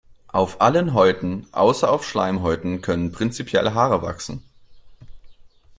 Auf allen Häuten außer auf Schleimhäuten können prinzipiell Haare wachsen.